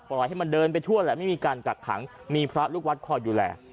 ปล่อยให้มันเดินไปทั่วแหละไม่มีการกักขังมีพระลูกวัดคอยดูแล